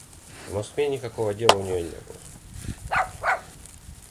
В Москве никакого дела у нее не было.